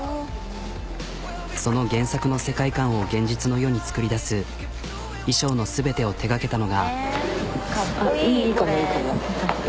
その原作の世界観を現実の世に作り出す衣装の全てを手がけたのが。